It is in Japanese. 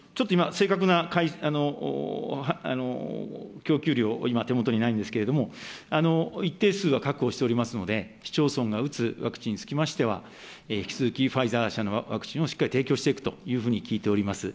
ちょっと今、正確な供給量、今手元にないんですけれども、一定数は確保しておりますので、市町村が打つワクチンにつきましては、引き続きファイザー社のワクチンをしっかり提供していくというふうに聞いております。